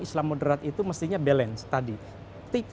islam moderat itu mestinya balance tadi